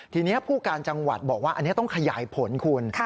ทีนี้ผู้การจังหวัดบอกว่าอันนี้ต้องขยายผลคุณ